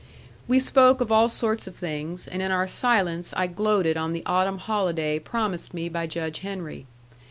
We spoke of all sorts of things, and in our silence I gloated on the autumn holiday promised me by Judge Henry.